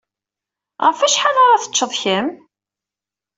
Ɣef wacḥal ara teččeḍ kemm?